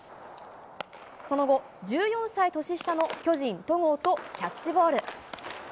その後、１４歳年下の巨人、戸郷とキャッチボール。